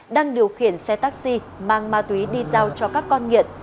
đang điều khiển xe taxi mang ma túy đi giao cho các con nghiện